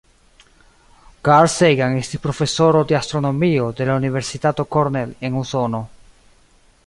Carl Sagan estis profesoro de astronomio de la Universitato Cornell en Usono.